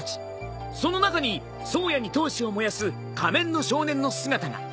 その中に颯也に闘志を燃やす仮面の少年の姿が。